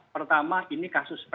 pertama ini kasus pers